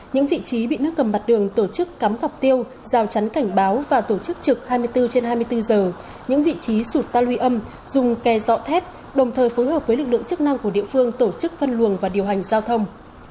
những vị trí bị nước ngầm mặt đường tổ chức cắm gạp tiêu rào chắn cảnh báo và tổ chức trực hai mươi bốn trên hai mươi bốn giờ những vị trí sụt ta luy âm dùng kè dọ thép đồng thời phối hợp với lực lượng chức năng của địa phương tổ chức phân luồng và điều hành giao thông